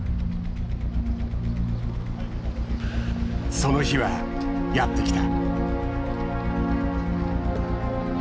その日はやって来た。